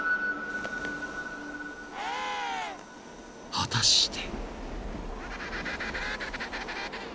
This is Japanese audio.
［果たして］